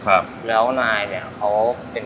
ก็เลยเริ่มต้นจากเป็นคนรักเส้น